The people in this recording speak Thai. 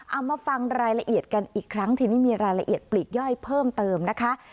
เอามาฟังรายละเอียดกันอีกครั้งทีนี้มีรายละเอียดปลีกย่อยเพิ่มเติมนะคะ